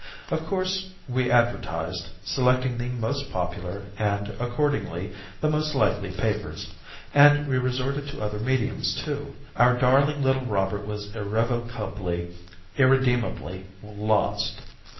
Of course, we advertised, selecting the most popular and, accordingly, the most likely papers, and we resorted to other mediums, too, but, alas! it was hopeless. Our darling little Robert was irrevocably, irredeemably lost.